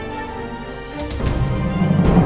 fahri harus tau nih